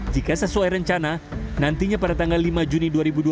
jika sesuai rencana nantinya pada tanggal lima juni dua ribu dua puluh